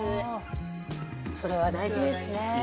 それは大事ですね。